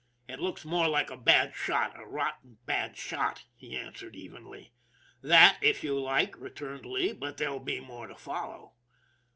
" It looks more like a bad shot, a rotten bad shot," he answered evenly. "That, if you like," returned Lee; "but there'll be more to follow."